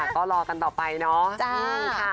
ก็รอกันต่อไปเนาะ